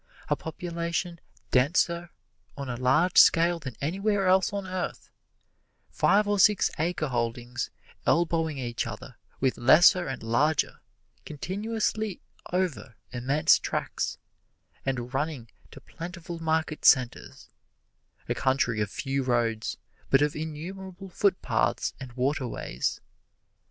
A population denser, on a large scale, than anywhere else on earth Five or six acre holdings, elbowing each other, with lesser and larger, continuously over immense tracts, and running to plentiful market centers; A country of few roads, but of innumerable footpaths and waterways.